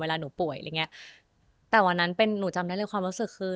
หนูป่วยอะไรอย่างเงี้ยแต่วันนั้นเป็นหนูจำได้เลยความรู้สึกคือ